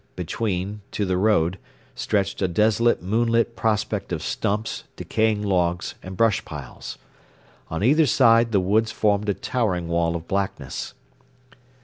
Between, to the road, stretched a desolate moonlit prospect of stumps, decaying logs and brush piles. On either side the woods formed a towering wall of blackness.